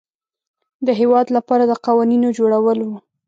د هیواد لپاره د قوانینو جوړول وه.